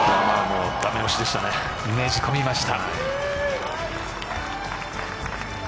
ねじ込みました。